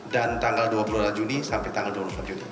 dan tanggal dua puluh dua juni sampai tanggal dua puluh delapan juni